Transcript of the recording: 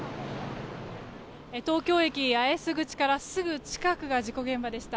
東京駅八重洲口からすぐ近くが事故現場でした。